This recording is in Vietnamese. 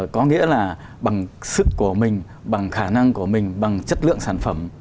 có nghĩa là bằng sức của mình bằng khả năng của mình bằng chất lượng sản phẩm